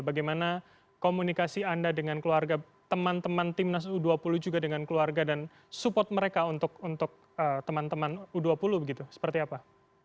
bagaimana komunikasi anda dengan keluarga teman teman timnas u dua puluh juga dengan keluarga dan support mereka untuk teman teman u dua puluh begitu seperti apa